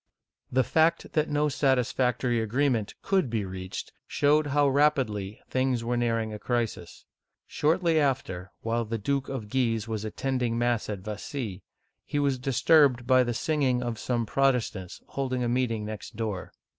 The fact that no satisfactory agreement could be reached, showed how rapidly things were nearing a crisis. Shortly after, while the Duke of Guise was attending mass at Vassy (va see', 1562), he was disturbed by the singing of some Protestants, holding a meeting next door.